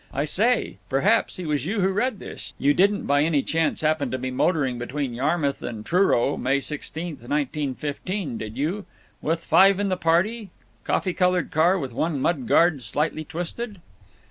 I say, perhaps he was you who read this you didn't by any chance happen to be motoring between Yarmouth and Truro, May 16, 1915, did you? With five in the party; coffee colored car with one mud guard slightly twisted?